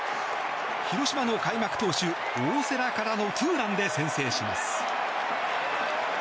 広島の開幕投手、大瀬良からのツーランで先制します。